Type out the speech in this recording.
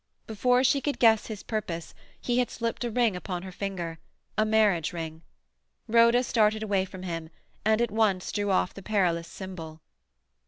Before she could guess his purpose he had slipped a ring upon her finger, a marriage ring. Rhoda started away from him, and at once drew off the perilous symbol.